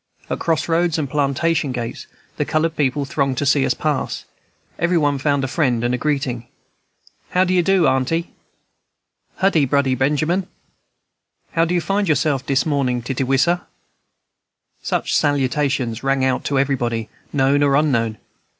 At cross roads and plantation gates the colored people thronged to see us pass; every one found a friend and a greeting. "How you do, aunty?" "Huddy (how d'ye), Budder Benjamin?" "How you find yourself dis mor nin', Tittawisa (Sister Louisa)?" Such saluations rang out to everybody, known or unknown.